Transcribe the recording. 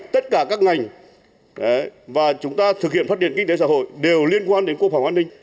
tất cả các ngành và chúng ta thực hiện phát triển kinh tế xã hội đều liên quan đến quốc phòng an ninh